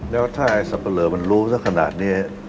แล้วถ้าแสบเปลืองมันรู้จักขนาดนี้